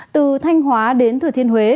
từ thanh hóa đến thừa thiên huế